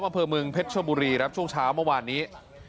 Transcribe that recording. อำเภอเมืองเพชรชบุรีครับช่วงเช้าเมื่อวานนี้